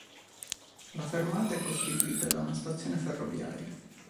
La fermata è costituita da una stazione ferroviaria.